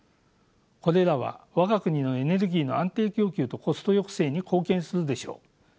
これらは我が国のエネルギーの安定供給とコスト抑制に貢献するでしょう。